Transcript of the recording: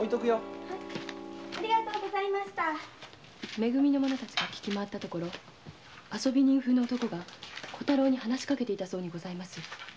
「め組」の者たちが聞き回ったところ遊び人風の男が小太郎に話しかけていたそうです。